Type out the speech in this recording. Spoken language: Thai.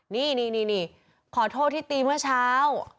นี่นี่นี่ขอโทษที่ตีเมื่อเช้า